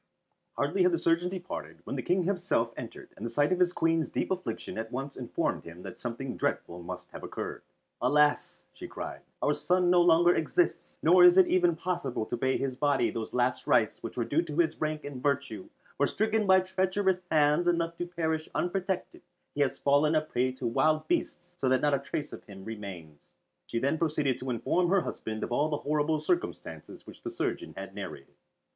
Hardly had the surgeon departed, when the King himself entered, and the sight of his Queen's deep affliction at once informed him that something dreadful must have occurred. "Alas," she cried, "our son no longer exists, nor is it even possible to pay to his body those last rites which were due to his rank and virtue, for stricken by treacherous hands and left to perish unprotected he has fallen a prey to wild beasts so that not a trace of him remains." She then proceeded to inform her husband of all the horrible circumstances which the surgeon had narrated.